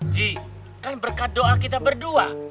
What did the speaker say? ji kan berkat doa kita berdua